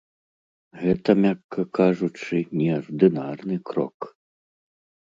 Гэта, мякка кажучы, неардынарны крок.